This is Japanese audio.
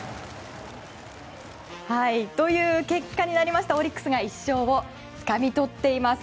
という結果になりましてオリックスが１勝をつかみ取っています。